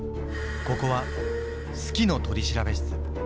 ここは「好きの取調室」。